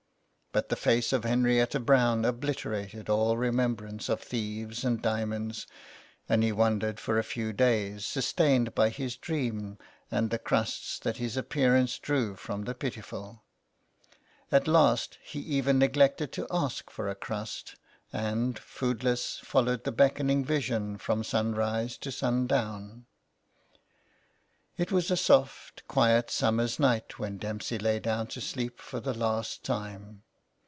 But the face of Henrietta Brown obliterated all re membrance of thieves and diamonds, and he wandered for a few days, sustained by his dream and the crusts that his appearance drew from the pitiful. At last he even neglected to ask for a crust, and, foodless, followed the beckoning vision, from sunrise to sun down. It was a soft, quiet summer's night when Dempsey lay down to sleep for the last time.